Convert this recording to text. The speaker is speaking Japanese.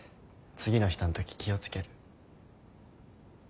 次の人のとき気を付ける。